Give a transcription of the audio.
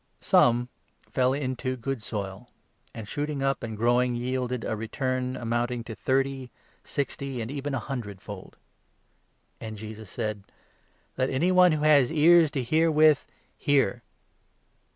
Some fell into good soil, and, shooting up 8 and growing, yielded a return, amounting to thirty, sixty, and even a hundred fold." And Jesus said : 9 " Let any one who has ears to hear with hear."